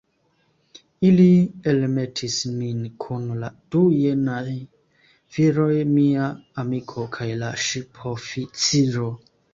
Ili elmetis min kun la du jenaj viroj, mia amiko, kaj la ŝipoficiro.